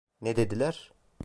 Ne dediler?